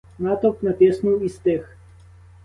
Натовп натиснув і стих.